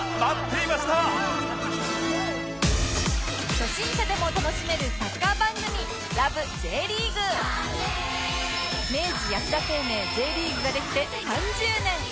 初心者でも楽しめるサッカー番組明治安田生命 Ｊ リーグができて３０年！